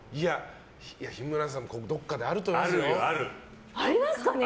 日村さんもどっかであると思うよ。ありますかね？